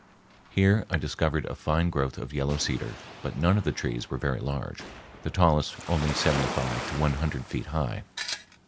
Here I discovered a fine growth of yellow cedar, but none of the trees were very large, the tallest only seventy five to one hundred feet high.